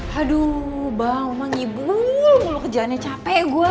haduh bang emang ngibul lu kerjaannya capek gue